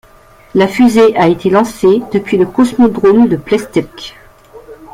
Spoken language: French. La fusée a été lancée depuis le cosmodrome de Plessetsk.